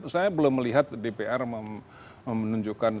saya belum melihat dpr menunjukkan